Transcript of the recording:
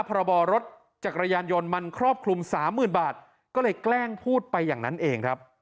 พรบรถจักรยานยนต์มันครอบคลุมสามหมื่นบาทก็เลยแกล้งพูดไปอย่างนั้นเองครับ